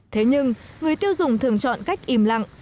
thế nhưng người tiêu dùng thường chọn cách im lặng